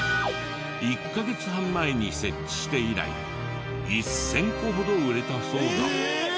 １カ月半前に設置して以来１０００個ほど売れたそうだ。